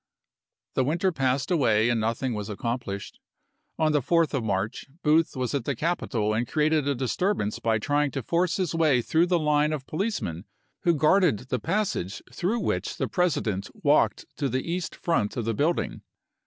The winter passed away and nothing was accomplished. On the 4th of March, Booth s^zee7and was at the Capitol and created a disturbance b/johnV by trying to force his way through the line of of the ' policemen who guarded the passage through which police, the President walked to the east front of the build ing.